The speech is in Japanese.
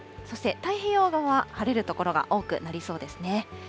そして太平洋側、晴れる所が多くなりそうですね。